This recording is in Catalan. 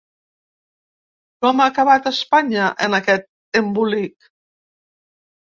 ’Com ha acabat Espanya en aquest embolic?